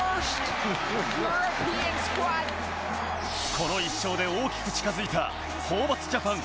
この一勝で大きく近づいたホーバスＪＡＰＡＮ